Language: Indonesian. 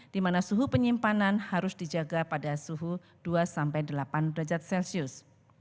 dimana suhu penyimpanan harus dijaga pada suhu dua delapan derajat celcius